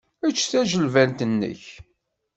Ečč tajilbant-nnek.